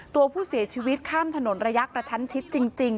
ตัวผู้เสียชีวิตข้ามถนนระยะกระชั้นชิดจริง